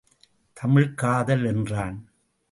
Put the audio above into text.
தமிழ்க் காதல் என்றான்.